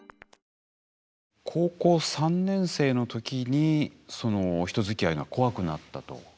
高校３年生の時にその人づきあいが怖くなったと。